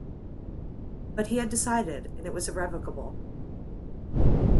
But he had decided, and it was irrevocable.